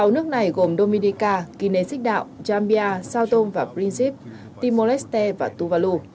sáu nước này gồm dominica kinesis đạo jambia southom và brinsip timor leste và tuvalu